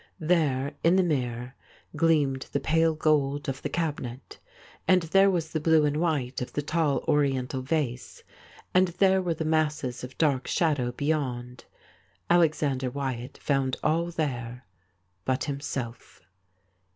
There in the mirror gleamed the pale gold of the cabinet, and there was the blue and white of the tall Oriental vase, and there were the masses of dark shadow beyond. Alexander Wyatt found all there but himself.